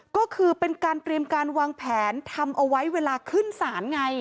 ก็คือเป็นการเตรียมการวางแผนทำเอาไว้เวลาขึ้นศาลไง